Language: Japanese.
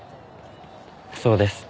そうです。